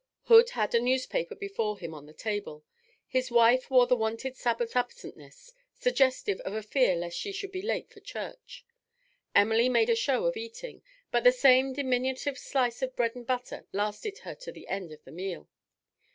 Hood had a newspaper before him on the table; his wife wore the wonted Sabbath absentness, suggestive of a fear lest she should be late for church; Emily made a show of eating, but the same diminutive slice of bread and butter lasted her to the end of the meal.